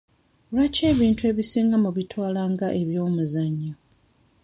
Lwaki ebintu ebisinga mubitwala nga eby'omuzannyo?